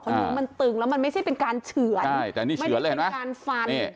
คนอยู่มันตึงแล้วมันไม่ใช่เป็นการเฉินไม่ได้เป็นการฟัน